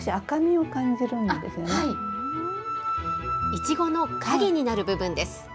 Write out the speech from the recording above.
イチゴの影になる部分です。